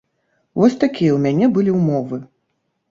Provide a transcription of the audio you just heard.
Вось такія ў мяне былі ўмовы.